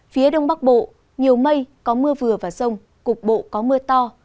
phía đông bắc bộ nhiều mây có mưa vừa và rông cục bộ có mưa to